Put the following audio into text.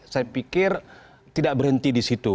saya pikir tidak berhenti di situ